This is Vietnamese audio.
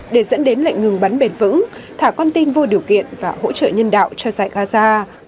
để dẫn đến lệnh ngừng bắn bền vững thả con tin vô điều kiện và hỗ trợ nhân đạo cho giải gaza